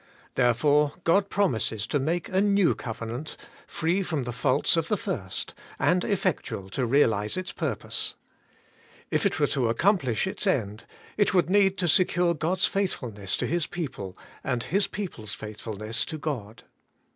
Therefore God promises to make a New Covenant, free from the faults of the first, and effectual to realize its purposrf. If it were to accomplish its end, it would need to secure God's faithfulness to His people, and His people's faithfulness to God.